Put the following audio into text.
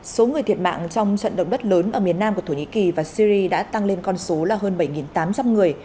số người thiệt mạng trong trận động đất lớn ở miền nam của thổ nhĩ kỳ và syri đã tăng lên con số là hơn bảy tám trăm linh người